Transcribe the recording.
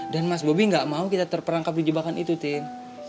dan mas bobby gak mau kita terperangkap di jebakan itu tin